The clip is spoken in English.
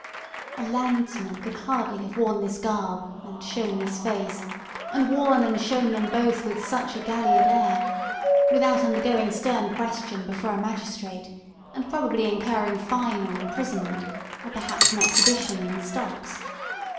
A landsman could hardly have worn this garb and shown this face, and worn and shown them both with such a galliard air, without undergoing stern question before a magistrate, and probably incurring a fine or imprisonment, or perhaps an exhibition in the stocks.